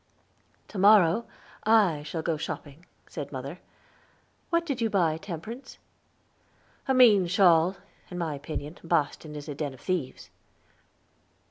"To morrow, I shall go shopping," said mother. "What did you buy, Temperance?" "A mean shawl. In my opinion, Boston is a den of thieves."